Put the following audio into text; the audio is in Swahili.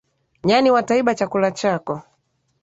Nyani wataiba chakula chako